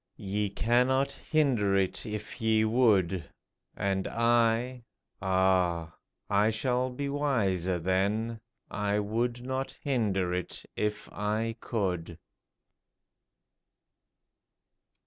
Ye cannot hinder it if ye would ; And I — ah ! I shall be wiser then — I would not hinder it if I could